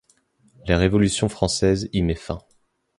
La Révolution française y met fin.